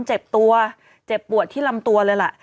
เจ็บตัวเจ็บปวดที่ลำตัวเลยล่ะ